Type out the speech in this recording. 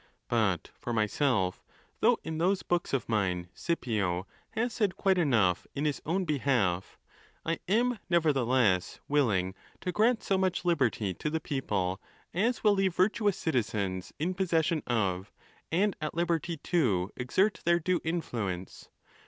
But for myself, though in those books of mine Scipio has said quite enough in his own behalf,.am nevertheless willing to grant so much liberty to the people as will leave virtuous citizens in posses sion of, and at liberty to exert, their due influence.